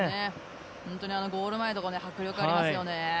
本当にゴール前は迫力ありますよね。